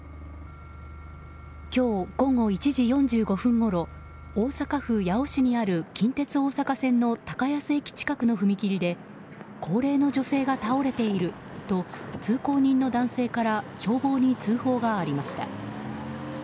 今日午後１時４５分ごろ大阪府八尾市にある近鉄大阪線の高安駅近くの踏切で高齢の女性が倒れていると通行人の男性から消防に通報がありました。